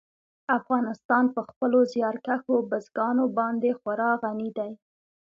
افغانستان په خپلو زیارکښو بزګانو باندې خورا غني دی.